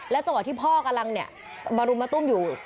แล้วตอนพ่อกำลังบรุมาต้มอยู่